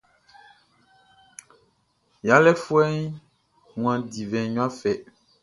Yalé foué wan divin ya fê.